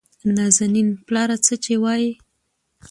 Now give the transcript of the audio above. نازنين : پلاره څه چې وايې؟